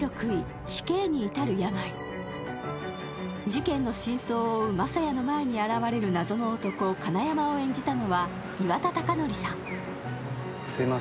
事件の真相を追う雅也の前に現れる謎の男・金山を演じたのは岩田剛典さん。